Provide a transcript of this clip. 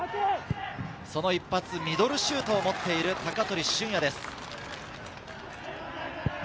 一発、ミドルシュートを持っている鷹取駿也です。